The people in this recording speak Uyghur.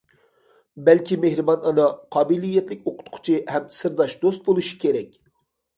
بەلكى مېھرىبان ئانا، قابىلىيەتلىك ئوقۇتقۇچى ھەم سىرداش دوست بولۇشى كېرەك.